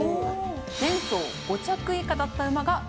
前走５着以下だった馬が６勝。